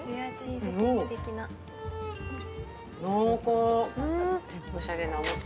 濃厚。